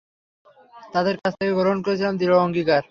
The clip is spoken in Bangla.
তাদের কাছ থেকে গ্রহণ করেছিলাম দৃঢ় অঙ্গীকার।